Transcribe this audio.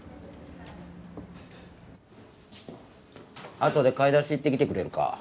あとで買い出し行ってきてくれるか？